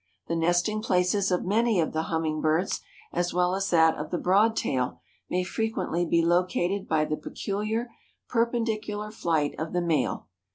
The nesting places of many of the hummingbirds, as well as that of the Broad tail, may frequently be located by the peculiar perpendicular flight of the male.